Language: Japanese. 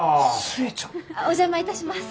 お邪魔いたします。